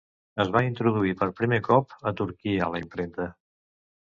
Es va introduir per primer cop a Turquia la impremta.